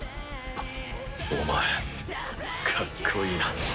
お前かっこいいな。